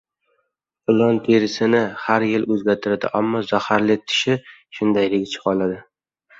• Ilon terisini har yil o‘zgartiradi, ammo zaharli tishi shundayligicha qoladi.